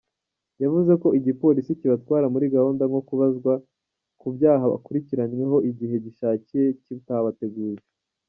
Yavuze ko igipolisi kibatwara muri gahunda nko kubazwa ku byaha bakurikiranyweho igihe gishakiye kitabateguje.